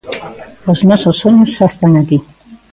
Os nosos soños xa están aquí.